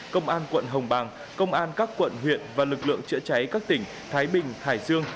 công an quận hồng bàng công an các quận huyện và lực lượng chữa cháy các tỉnh thái bình hải dương